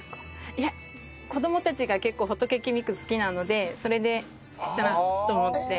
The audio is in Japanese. いや子供たちが結構ホットケーキミックス好きなのでそれで作ろうと思って。